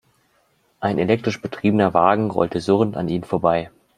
Ein elektrisch betriebener Wagen rollte surrend an ihnen vorbei.